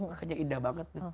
makanya indah banget